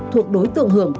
thuộc đối tượng hưởng